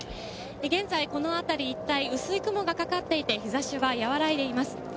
現在、この辺り一帯、薄い雲がかかっていて日差しが和らいでいます。